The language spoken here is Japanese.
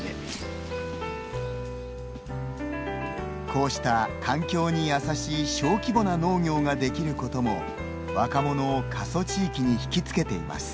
こうした環境に優しい小規模な農業ができることも若者を過疎地域にひきつけています。